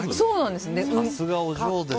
さすがお嬢ですね。